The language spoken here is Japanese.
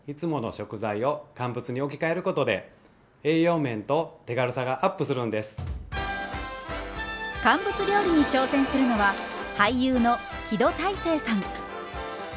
肉や魚など乾物料理に挑戦するのは俳優の木戸大聖さん。